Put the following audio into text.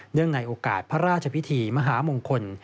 ในโอกาสพระราชพิธีมหามงคล